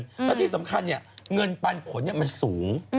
และที่สำคัญเนี่ยเงินปันผลมันสูง